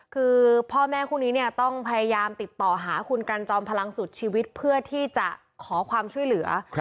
คือพ่อแม่คู่นี้เนี่ยต้องพยายามติดต่อหาคุณกันจอมพลังสุดชีวิตเพื่อที่จะขอความช่วยเหลือ